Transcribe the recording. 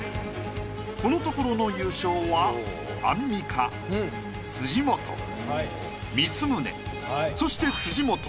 このところの優勝はアンミカ辻元光宗そして辻元。